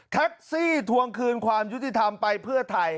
ทวงคืนความยุติธรรมไปเพื่อไทย